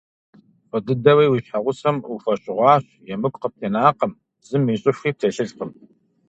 ФӀы дыдэуи уи щхьэгъусэм ухуэщыгъуащ, емыкӀу къыптенакъым, зым и щӀыхуи птелъыжкъым.